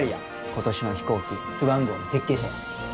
今年の飛行機スワン号の設計者や。